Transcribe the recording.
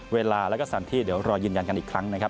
เวลาแล้วก็สถานที่เดี๋ยวรอยืนยันกันอีกครั้งนะครับ